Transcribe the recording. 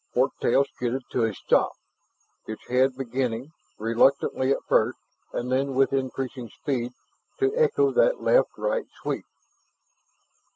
Fork tail skidded to a stop, its head beginning reluctantly at first, and then, with increasing speed to echo that left right sweep.